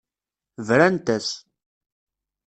Brant-as.